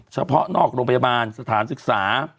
เฉพาะนอกโรงพยาบาลสถานศึกษา